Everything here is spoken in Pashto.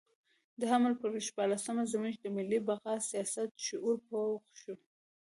د حمل پر شپاړلسمه زموږ د ملي بقا سیاسي شعور پوخ شو.